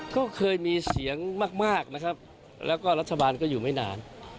ก็เคยมีเสียงมากนะครับแล้วก็รัฐบาลก็อยู่ไม่นาน